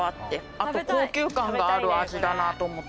あと高級感がある味だなと思って。